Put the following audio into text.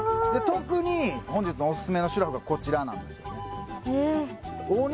特に本日のオススメのシュラフがこちらなんですよねえー